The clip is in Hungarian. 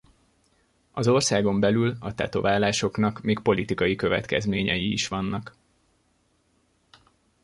Az országon belül a tetoválásoknak még politikai következményei is vannak.